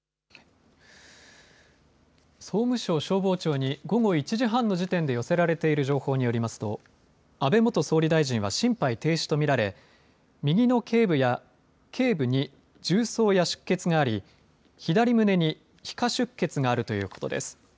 総務省消防庁に午後１時半の時点で寄せられている情報によりますと安倍元総理大臣は心肺停止と見られ右のけい部に銃創や出血があり左胸に皮下出血があるということです。